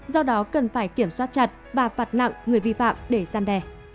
do đó cần phải kiểm soát chặt và phạt nặng người vi phạm để gian đe